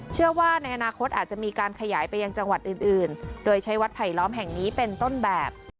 เชื่อว่าในอนาคตอาจจะมีการขยายไปยังจังหวัดอื่นโดยใช้วัดไผลล้อมแห่งนี้เป็นต้นแบบ